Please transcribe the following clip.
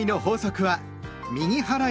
はい。